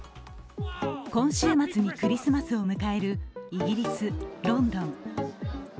今週末にクリスマスを迎えるイギリス・ロンドン。